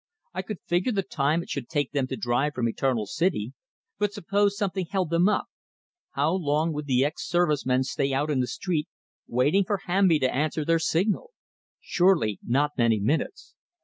I could figure the time it should take them to drive from Eternal City; but suppose something held them up? How long would the ex service men stay out on the street, waiting for Hamby to answer their signal? Surely not many minutes!